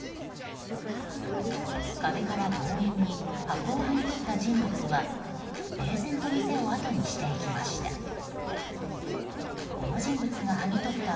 壁から強引に箱をはぎ取った人物は平然と店をあとにしていきました。